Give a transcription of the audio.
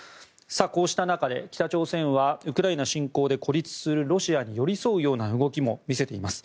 こうした中で北朝鮮はウクライナ侵攻で孤立するロシアに寄り添うような動きも見せています。